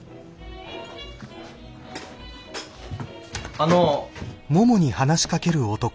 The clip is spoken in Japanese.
あの。